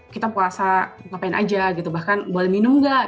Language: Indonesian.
kita puasa ngapain aja gitu bahkan boleh minum enggak